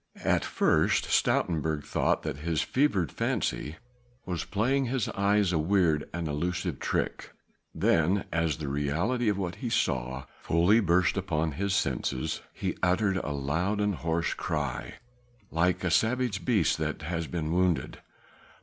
At first Stoutenburg thought that his fevered fancy was playing his eyes a weird and elusive trick, then as the reality of what he saw fully burst upon his senses he uttered a loud and hoarse cry like a savage beast that has been wounded.